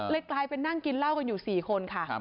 กลายเป็นนั่งกินเหล้ากันอยู่๔คนค่ะ